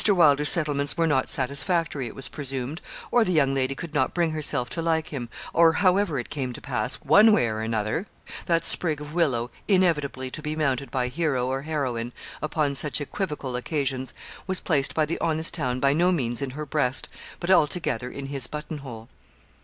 Wylder's settlements were not satisfactory, it was presumed, or the young lady could not bring herself to like him, or however it came to pass, one way or another, that sprig of willow inevitably to be mounted by hero or heroine upon such equivocal occasions was placed by the honest town by no means in her breast, but altogether in his button hole.